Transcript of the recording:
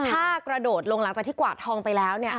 ถ้ากระโดดลงหลังจากที่กวาดทองไปแล้วเนี่ย